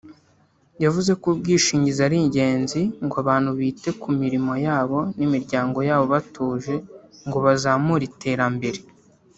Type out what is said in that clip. yavuze ko ubwishingizi ari ingenzi ngo abantu bite ku mirimo yabo n’imiryango yabo batuje ngo bazamure iterambere